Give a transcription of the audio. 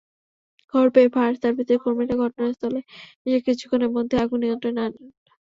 খবর পেয়ে ফায়ার সার্ভিসের কর্মীরা ঘটনাস্থলে এসে কিছুক্ষণের মধ্যেই আগুন নিয়ন্ত্রণে আনেন।